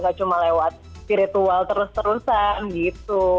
gak cuma lewat spiritual terus terusan gitu